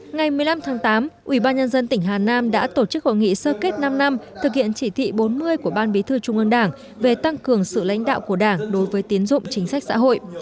ngày một mươi năm tháng tám ubnd tỉnh hà nam đã tổ chức hội nghị sơ kết năm năm thực hiện chỉ thị bốn mươi của ban bí thư trung ương đảng về tăng cường sự lãnh đạo của đảng đối với tiến dụng chính sách xã hội